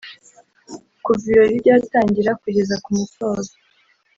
Kuva ibirori byatangira kugeza ku musozo